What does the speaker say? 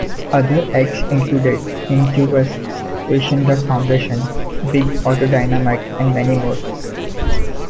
Other acts included: Incubus, Asian Dub Foundation, Big Audio Dynamite and many more.